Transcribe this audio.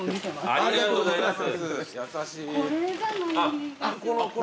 ありがとうございます。